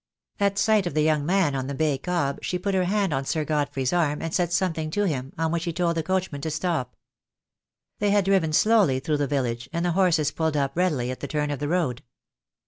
At sight of the young man on the bay cob she put her hand on Sir Godfrey's arm and said something to him, on which he told the coachman to stop. They had driven slowly through the village, and the horses pulled up readily at the turn of the road.